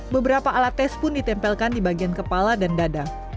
beberapa alat tes pun ditempelkan di bagian kepala dan dada